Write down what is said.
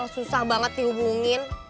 susah banget dihubungin